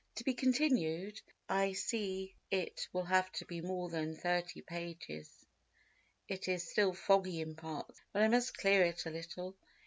To be continued—I see it will have to be more than 30 pp. It is still foggy in parts, but I must clear it a little.